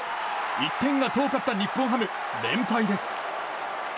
１点が遠かった日本ハム連敗です。